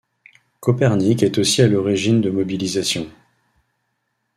Copernic est aussi à l'origine de mobilisations.